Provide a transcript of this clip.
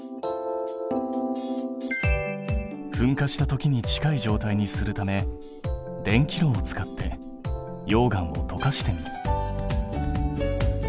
噴火したときに近い状態にするため電気炉を使って溶岩をとかしてみる。